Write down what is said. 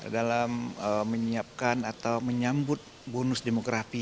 dalam menyiapkan atau menyambut bonus demografi